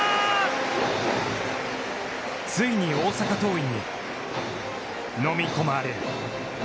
ついに大阪桐蔭に飲み込まれる。